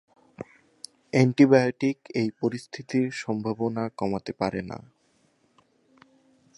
Antibiotic এই পরিস্থিতির সম্ভাবনা কমাতে পারে না।